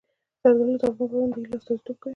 زردالو د افغان ځوانانو د هیلو استازیتوب کوي.